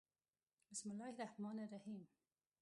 بسم الله الرحمن الرحیم